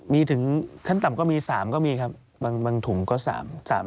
มีถึงขั้นต่ำก็มี๓ก็มีครับบางถุงก็๓๓